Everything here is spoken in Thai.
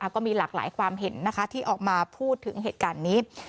ก็มีหลากหลายความเห็นที่ออกมาพูดถึงเหตุการณ์นี้